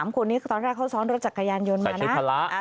๓คนนี้ตอนแรกเขาซ้อนรถจากกายันยนต์มา